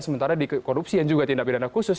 sementara di korupsi yang juga tindak pidana khusus